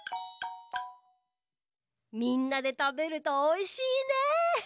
みんなでたべるとおいしいね。